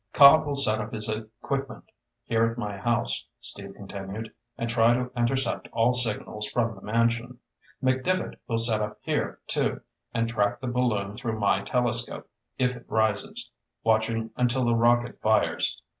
"Cobb will set up his equipment here at my house," Steve continued, "and try to intercept all signals from the mansion. McDevitt will set up here too, and track the balloon through my telescope if it rises watching until the rocket fires.